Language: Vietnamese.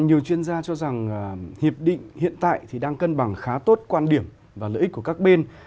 nhiều chuyên gia cho rằng hiệp định hiện tại thì đang cân bằng khá tốt quan điểm và lợi ích của các bên